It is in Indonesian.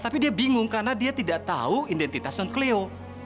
tapi dia bingung karena dia tidak tahu identitas non cleo